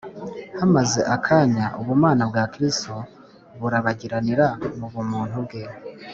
hamaze akanya ubumana bwa kristo burabagiranira mu bumuntu bwe